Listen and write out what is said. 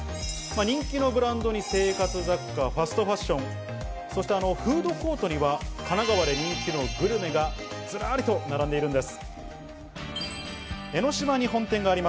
人気のブランドに生活雑貨、ファストファッション、そしてフードコートには神奈川で人気のグルメがずらりと並んでいるんです。